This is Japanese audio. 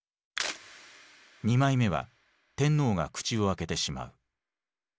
２枚目は天皇が口を開けてしまう。